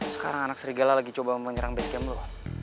sekarang anak serigala lagi coba menyerang basecamp lo